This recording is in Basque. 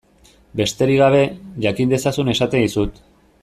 Besterik gabe, jakin dezazun esaten dizut.